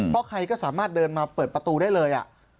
เพราะใครก็สามารถเดินมาเปิดประตูได้เลย